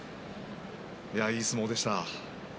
いい相撲でした。